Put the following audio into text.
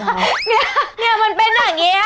เนี่ยเนี่ยมันเป็นอย่างเงี้ย